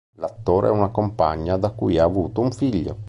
L'attore ha una compagna da cui ha avuto un figlio.